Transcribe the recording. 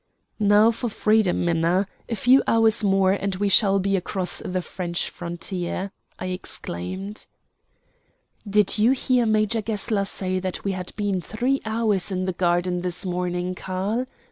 "Now for freedom, Minna. A few hours more and we shall be across the French frontier!" I exclaimed. "Did you hear Major Gessler say that we had been three hours in the garden this morning, Karl?"